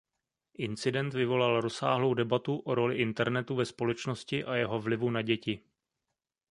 Incident vyvolal rozsáhlou debatu o roli internetu ve společnosti a jeho vlivu na děti.